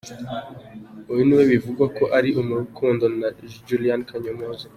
Uyu niwe bivugwa ko ari mu rukundo na Juliana Kanyomozi.